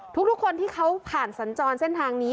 ทุกคนที่เขาผ่านสัญจรเส้นทางนี้